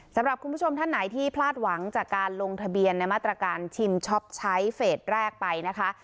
สำหรับคุณผู้ชมท่านไหนที่พลาดหวังจากการลงทะเบียนในมาตรการชิมช็อปใช้เฟสแรกไปนะคะ